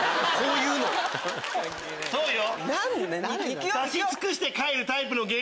そうよ！